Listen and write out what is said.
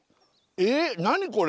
えっ何これ？